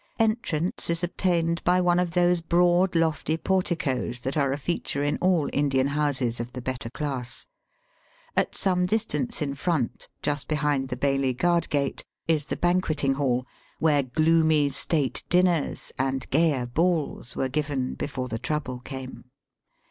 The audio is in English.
Entrance is obtained by one of those broad, lofty porticoes that are a feature in all Indian houses of the better class. At some distance in front, just behind the BaiUie Guard Gate, is the banqueting hall, where gloomy state dinners and gayer balls were given before the trouble came.